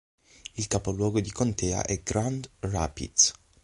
Il capoluogo di contea è Grand Rapids.